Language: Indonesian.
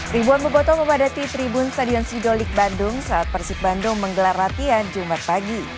ribuan beboto memadati tribun stadion sidolik bandung saat persib bandung menggelar latihan jumat pagi